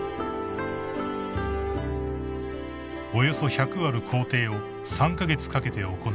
［およそ１００ある工程を３カ月かけて行い